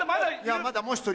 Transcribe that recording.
いやまだもう１人